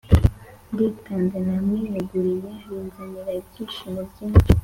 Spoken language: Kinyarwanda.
Nditanze ntamwiyeguriye binzanira ibyishimo byinshi